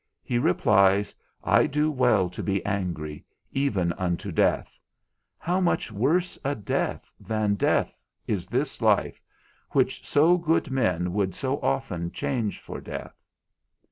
_ he replies, I do well to be angry, even unto death. How much worse a death than death is this life, which so good men would so often change for death!